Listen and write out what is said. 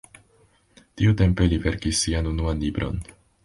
Tiutempe li verkis sian unuan libron.